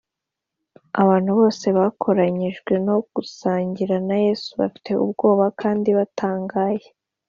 abantu bose bakoranyijwe no gusanganira yesu bafite ubwoba kandi batangaye